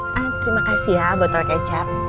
hmm terima kasih ya botol kecap